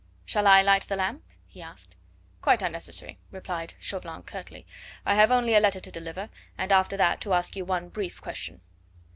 "Shall I light the lamp?" he asked. "Quite unnecessary," replied Chauvelin curtly. "I have only a letter to deliver, and after that to ask you one brief question."